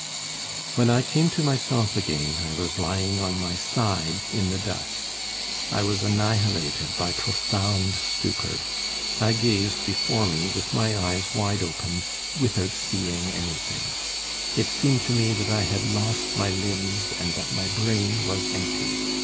When I came to myself again I was lying on my side in the dust. I was annihilated by profound stupor. I gazed before me with my eyes wide open without seeing anything; it seemed to me that I had lost my limbs, and that my brain was empty.